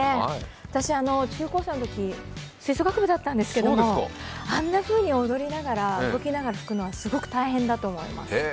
私、中高生のとき吹奏楽部だったんですけど、あんなふうに踊りながら、動きながら吹くのはすごく大変だと思います。